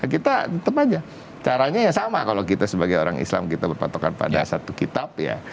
kita tetap aja caranya ya sama kalau kita sebagai orang islam kita berpatokan pada satu kitab ya